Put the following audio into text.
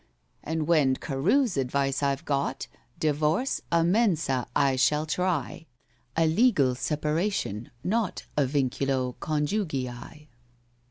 "And when CAREW'S advice I've got, Divorce a mensâ I shall try." (A legal separation—not A vinculo conjugii.)